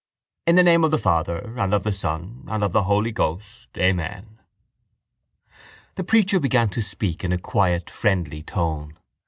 In the name of the Father and of the Son and of the Holy Ghost. Amen. The preacher began to speak in a quiet friendly tone.